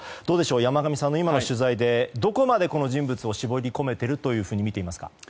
山上さんの今の取材で、どこまでこの人物を絞り込めているとみていますか？